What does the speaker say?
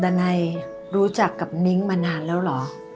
ดาไน่รู้จักกับนิ้งกันมานานแล้วเหรอ